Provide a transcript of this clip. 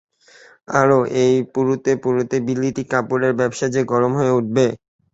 আর, ঐ পুড়তে পুড়তে বিলিতি কাপড়ের ব্যাবসা যে গরম হয়ে উঠবে।